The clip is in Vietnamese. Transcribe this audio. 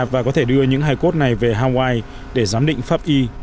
và có thể đưa những hai cốt này về hawaii để giám định pháp y